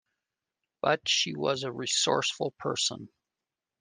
But she was a resourceful person.